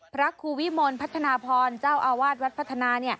พระครูวิมลพัฒนาพรเจ้าอาวาสวัดพัฒนา